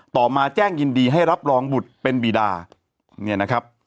มาแจ้งยินดีให้รับรองบุตรเป็นบีดาเนี่ยนะครับ